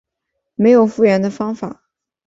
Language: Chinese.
没有复原的方法